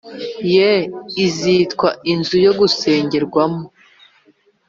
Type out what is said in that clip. Ye izitwa inzu yo gusengerwamo